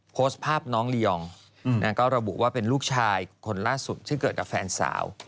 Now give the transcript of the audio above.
โพสต์ภาพน้องลียองก็ระบุว่าเป็นลูกชายคนล่าสุดซึ่งเกิดกับแฟนสาว